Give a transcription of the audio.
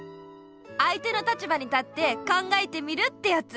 相手の立場に立って考えてみるってやつ。